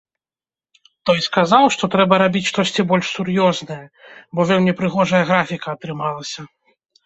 Той сказаў, што трэба рабіць штосьці больш сур'ёзнае, бо вельмі прыгожая графіка атрымалася.